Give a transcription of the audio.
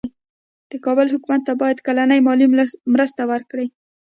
د کابل حکومت ته باید کلنۍ مالي مرسته ورکړي.